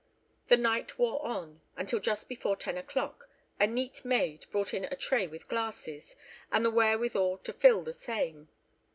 The night wore on, until just before ten o'clock, a neat maid brought in a tray with glasses, and the wherewithal to fill the same.